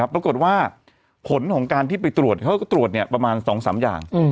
ปรากฏว่าผลของการที่ไปตรวจเขาก็ตรวจประมาณ๒๓อย่าง